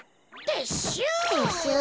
てっしゅう。